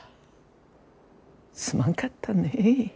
すまんかったね。